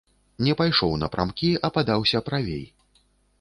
Не пайшоў напрамкі, а падаўся правей.